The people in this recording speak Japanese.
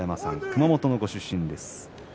熊本のご出身です。